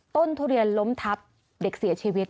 ทุเรียนล้มทับเด็กเสียชีวิต